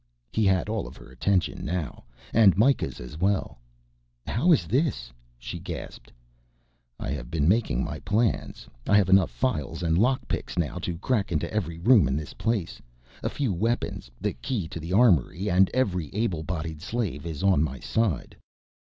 He had all of her attention now, and Mikah's as well, "How is this?" she gasped. "I have been making my plans, I have enough files and lockpicks now to crack into every room in this place, a few weapons, the key to the armory and every able bodied slave on my side."